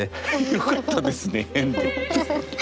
よかったですね変で？